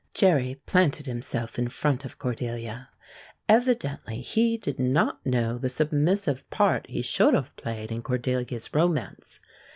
Jerry planted himself in front of Cordelia. Evidently he did not know the submissive part he should have played in Cordelia's romance.